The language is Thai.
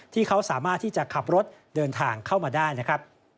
ที่เขาสามารถที่จะขับรถเดินทางเข้ามาได้นะครับ